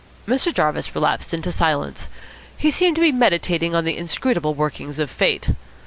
Mr. Jarvis relapsed into silence. He seemed to be meditating on the inscrutable workings of Fate.